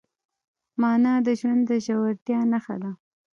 مانا د ژوند د ژورتیا نښه ده.